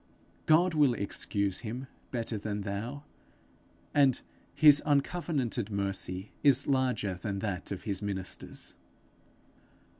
God will excuse him better than thou, and his uncovenanted mercy is larger than that of his ministers.